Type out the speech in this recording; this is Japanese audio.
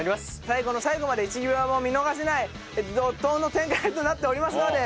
最後の最後まで１秒も見逃せない怒濤の展開となっておりますので。